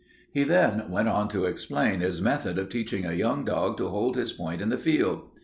He then went on to explain his method of teaching a young dog to hold his point in the field.